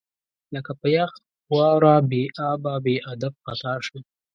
لکه په یخ واوره بې ابه، بې ادب خطا شم